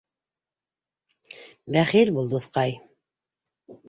Бәхил бул, дуҫҡай...